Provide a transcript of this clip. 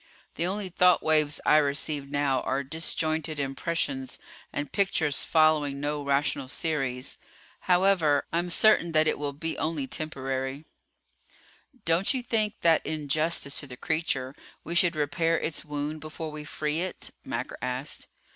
The only thought waves I receive now are disjointed impressions and pictures following no rational series. However, I'm certain that it will be only temporary." "Don't you think that in justice to the creature we should repair its wound before we free it?" Macker asked.